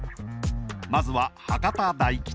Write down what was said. まずは博多大吉。